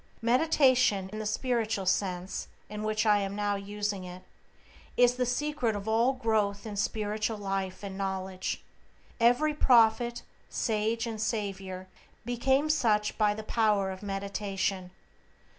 Meditation, in the spiritual sense in which I am now using it, is the secret of all growth in spiritual life and knowledge. Every prophet, sage, and savior became such by the power of meditation.